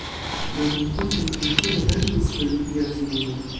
La konkurson finfine gajnis la lidia virino.